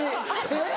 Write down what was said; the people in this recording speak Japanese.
えっ？